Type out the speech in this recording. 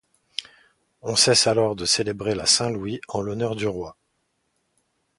On cesse alors de célébrer la Saint-Louis en l'honneur du roi.